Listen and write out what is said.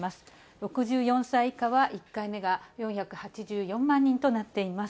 ６４歳以下は、１回目が４８４万人となっています。